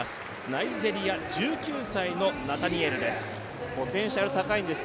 ナイジェリア、１９歳のナタニエルです。